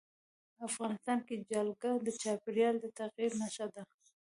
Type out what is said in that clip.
افغانستان کې جلګه د چاپېریال د تغیر نښه ده.